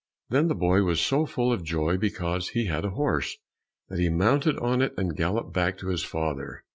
Then the boy was so full of joy because he had a horse, that he mounted on it and galloped back to his father.